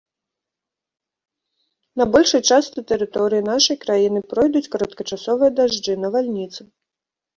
На большай частцы тэрыторыі нашай краіны пройдуць кароткачасовыя дажджы, навальніцы.